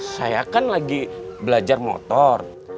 saya kan lagi belajar motor